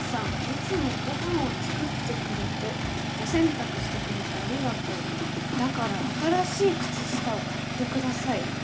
いつもご飯を作ってくれてお洗濯してくれてありがとうだから新しい靴下を買ってください